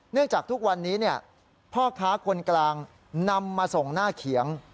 จากทุกวันนี้พ่อค้าคนกลางนำมาส่งหน้าเขียง